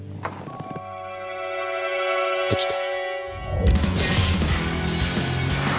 できた！